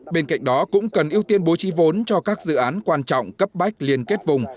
bên cạnh đó cũng cần ưu tiên bố trí vốn cho các dự án quan trọng cấp bách liên kết vùng